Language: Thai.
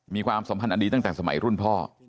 ความสัมพันธ์อันนี้ตั้งแต่สมัยรุ่นพ่อ